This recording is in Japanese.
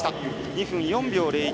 ２分４秒０１。